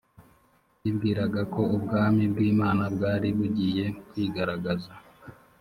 bibwiraga ko ubwami bw imana bwari bugiye kwigaragaza